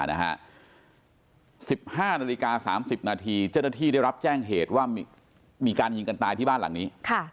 ๑๕นาฬิกา๓๐นาทีเจ้าหน้าที่ได้รับแจ้งเหตุว่ามีการยิงกันตายที่บ้านหลังนี้